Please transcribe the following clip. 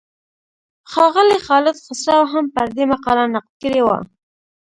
ښاغلي خالد خسرو هم پر دې مقاله نقد کړی و.